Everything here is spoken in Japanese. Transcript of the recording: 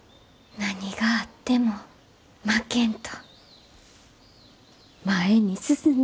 何があっても負けんと前に進んでほしい。